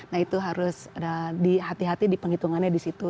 nah itu harus dihati hati di penghitungannya di situ